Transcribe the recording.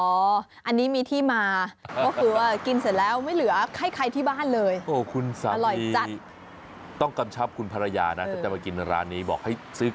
ใช่เห็นป้ายเกาะเหลาลืมผัวแล้วแวะมาลอง